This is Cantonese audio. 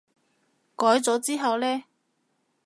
改咗之後呢？